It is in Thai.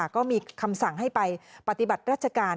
ก็มีคำสั่งให้ไปปฏิบัติราชการ